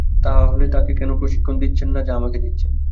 তাহলে তাকে কেন প্রশিক্ষণ দিচ্ছেন না যা আমাকে দিচ্ছেন?